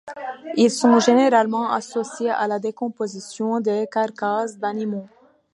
Ils sont généralement associés à la décomposition des carcasses d'animaux.